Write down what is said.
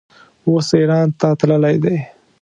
اوس ایران ته تللی دی.